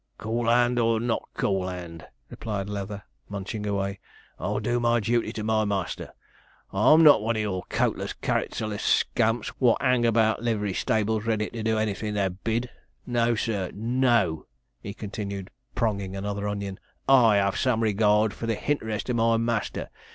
'Cool 'and, or not cool 'and,' replied Leather, munching away, 'I'll do my duty to my master. I'm not one o' your coatless, characterless scamps wot 'ang about livery stables ready to do anything they're bid. No sir, no,' he continued, pronging another onion; 'I have some regard for the hinterest o' my master.